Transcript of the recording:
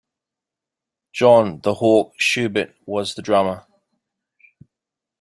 John "the Hawk" Schubert was the drummer.